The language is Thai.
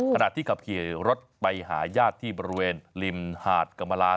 ขณะที่ขับขี่รถไปหาญาติที่บริเวณริมหาดกรรมลา